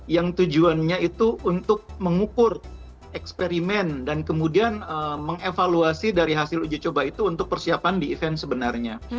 yang tujuannya itu untuk mengukur eksperimen dan kemudian mengevaluasi dari hasil uji coba itu untuk persiapan di event sebenarnya